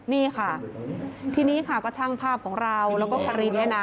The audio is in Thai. นี่ค่ะทีนี้ค่ะก็ช่างภาพของเราแล้วก็คารินเนี่ยนะ